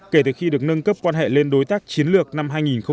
kể từ khi được nâng cấp quan hệ lên đối tác chiến lược năm hai nghìn một mươi ba